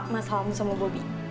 masalahmu sama bobi